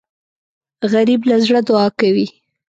غریب له زړه دعا کوي